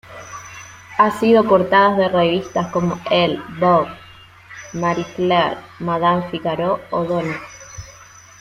Ha sido portadas de revistas como Elle, Vogue, Marie Claire, Madame Figaro o Donna.